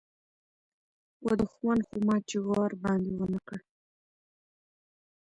و دښمن خو ما چي وار باندي و نه کړ